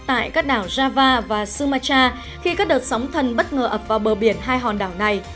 tại các đảo java và simacara khi các đợt sóng thần bất ngờ ập vào bờ biển hai hòn đảo này